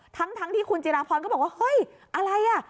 ทั้งที่คุณจิราพรก็บอกว่าเฮ้ยอะไรอ่ะ